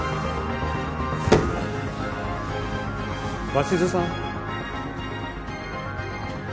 ・鷲津さん。